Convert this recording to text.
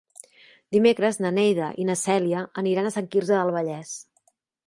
Dimecres na Neida i na Cèlia aniran a Sant Quirze del Vallès.